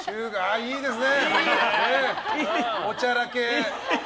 いいですね。